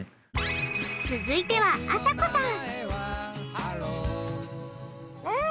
続いてはあさこさん！